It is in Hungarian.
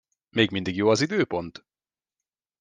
Még mindig jó az időpont?